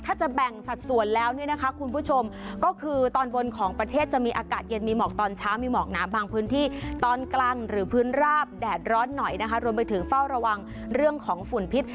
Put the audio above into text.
ถ้าจะแบ่งสัดส่วนแล้วเนี่ยนะคะคุณผู้ชมก็คือตอนบนของประเทศจะมีอากาศเย็นมีหมอกตอนเช้ามีหมอกหนาบางพื้นที่ตอนกลางหรือพื้นราบแดดร้อนหน่อยนะคะรวมไปถึงเฝ้าระวังเรื่องของฝุ่นพิษ